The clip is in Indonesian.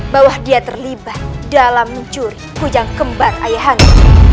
bahwa dia terlibat dalam mencuri kujang kembar ayahanda